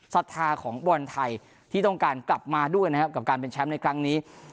ศรัทธาของบอลไทยที่ต้องการกลับมาด้วยนะครับกับการเป็นแชมป์ในครั้งนี้